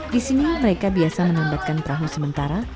di sini mereka biasa menembakkan perahu sementara